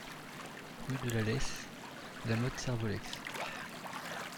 Rue de la Leysse, La Motte-Servolex